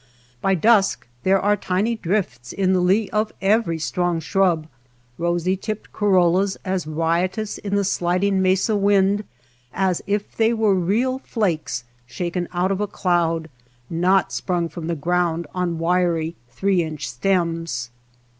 By dusk there are tiny drifts in the lee of every strong shrub, rosy tipped corollas as riot ous in the sliding mesa wind as if they were real flakes shaken out of a cloud, not sprung from the ground on wiry three inch stems.